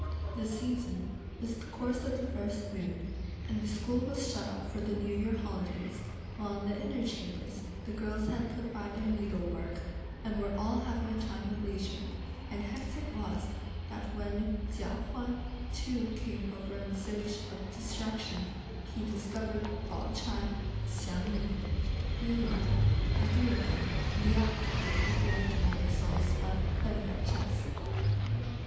The season was the course of the first moon, and the school was shut up for the new year holidays; while in the inner chambers the girls had put by their needlework, and were all having a time of leisure, and hence it was that when Chia Huan too came over in search of distraction, he discovered Pao ch'ai, Hsiang Ling, Ying Erh, the three of them, in the act of recreating themselves by playing at chess.